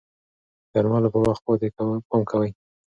د درملو په وخت پام کوئ.